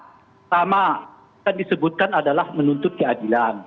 pertama kan disebutkan adalah menuntut keadilan